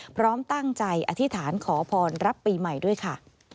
พร้อมตั้งใจอธิษฐานขอพรรับปีใหม่ด้วยค่ะ